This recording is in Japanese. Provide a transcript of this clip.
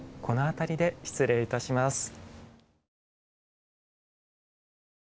この辺りで失礼いたします。